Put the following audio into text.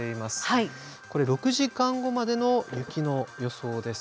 これ６時間後までの雪の予想です。